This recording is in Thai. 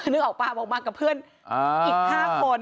นึกออกป่ะบอกมากับเพื่อนอีก๕คน